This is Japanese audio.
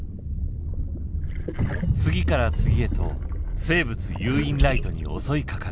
次から次へと生物誘引ライトに襲いかかる。